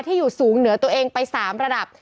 อยู่สูงเหนือตัวเองไป๓ระดับ